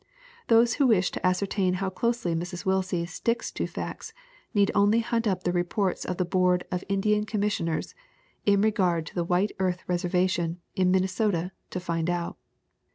Those who wish to ascer tain how closely Mrs. Willsie sticks to facts need only hunt up the reports of the Board of Indian Commis sioners in regard to the White Earth Reservation in Minnesota to find out.